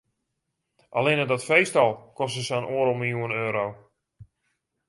Allinne dat feest al koste sa'n oardel miljoen euro.